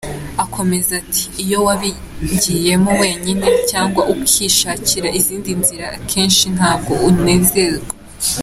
Akomeza ati “Iyo wabigiyemo wenyine, cyangwa ukishakira izindi nzira, akenshi ntabwo unezerwa.